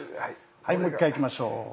はいもう一回いきましょう。